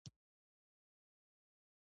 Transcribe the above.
دا یو ژوندی کتاب دی.